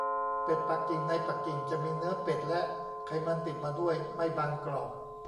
เป็ดปักกิ่งในปักกิ่งจะมีเนื้อเป็ดและไขมันติดมาด้วย ไม่บางกรอบ